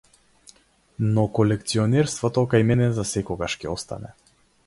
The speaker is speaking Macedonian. Но колекционерството кај мене засекогаш ќе остане.